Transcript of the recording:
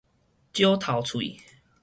少頭喙